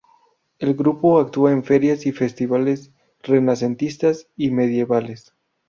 El grupo actúa en ferias y festivales renacentistas y medievales.